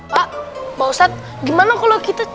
pak ustadz gimana kalau kita